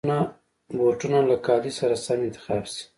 بوټونه له کالي سره سم انتخاب شي.